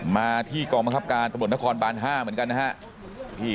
มาที่กรมขับกากตรวจนครภาค๕เพิ่งกันนะครับ